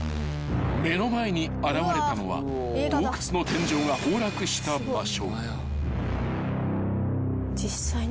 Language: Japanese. ［目の前に現れたのは洞窟の天井が崩落した場所］